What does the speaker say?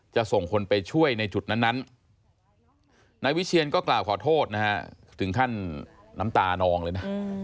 จะส่งคนไปช่วยในจุดนั้นนายวิเชียนก็กล่าวขอโทษนะฮะถึงขั้นน้ำตานองเลยนะ